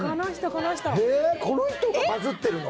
この人がバズってるの？